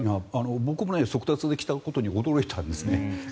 僕も速達で来たことに驚いたんですね。